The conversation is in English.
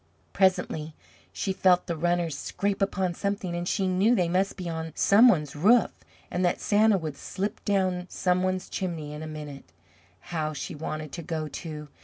Presently she felt the runners scrape upon something, and she knew they must be on some one's roof, and that Santa would slip down some one's chimney in a minute. How she wanted to go, too!